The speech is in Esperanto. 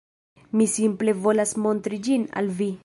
Mi simple volas montri ĝin al vi